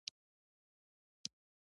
خټکی د عضلو درد کموي.